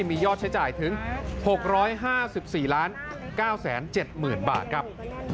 มียอดใช้จ่ายถึง๖๕๔๙๗๐๐๐บาทครับ